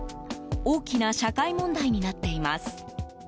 大きな社会問題になっています。